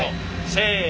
せの。